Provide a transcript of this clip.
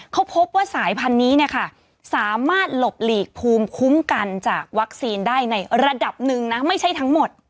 เขาพบว่าสายพันธุ์นี้สามารถหลบหลีกภูมิคุ้มกันจากวัคซีนได้ในระดับหนึ่งนะไม่ใช่ทั้งหมด